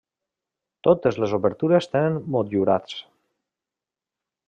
Totes les obertures tenen motllurats.